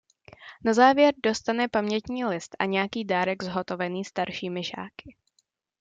Na závěr dostane pamětní list a nějaký dárek zhotovený staršími žáky.